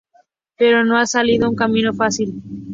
Pero no ha sido un camino fácil.